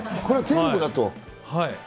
これ全部だと？